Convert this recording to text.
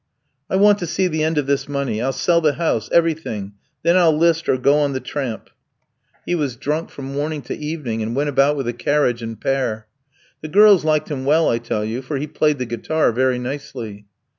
"'I want to see the end of this money. I'll sell the house; everything; then I'll 'list or go on the tramp.' "He was drunk from morning to evening, and went about with a carriage and pair. "The girls liked him well, I tell you, for he played the guitar very nicely."